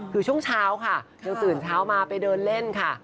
คือช่วงเช้าค่ะยังตื่นเช้ามาไปเดินเล่นค่ะ